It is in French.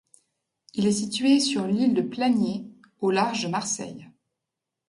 Il est situé sur l'île de Planier, au large de Marseille.